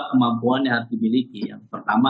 kemampuan yang harus dimiliki yang pertama